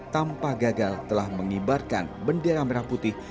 tanpa gagal telah mengibarkan bendera merah putih